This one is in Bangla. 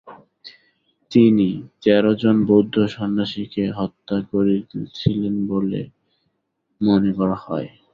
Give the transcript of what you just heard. তিনি তেরোজন বৌদ্ধ সন্ন্যাসীকে হত্যা করেছিলেন বলে মনে করা হয়।